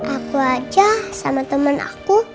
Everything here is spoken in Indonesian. aku aja sama temen aku